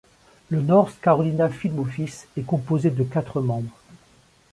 Le North Carolina Film Office est composé de quatre membres.